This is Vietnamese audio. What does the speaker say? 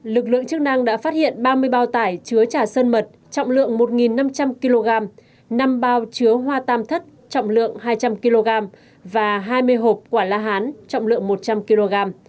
lực lượng chức năng đã phát hiện ba mươi bao tải chứa trà sơn mật trọng lượng một năm trăm linh kg năm bao chứa hoa tam thất trọng lượng hai trăm linh kg và hai mươi hộp quả la hán trọng lượng một trăm linh kg